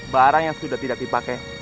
barang yang sudah tidak dipakai